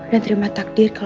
apa yang ada di dalam diri aku